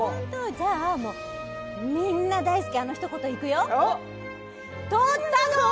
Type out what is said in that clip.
じゃあもうみんな大好きあのひと言いくよとったどー！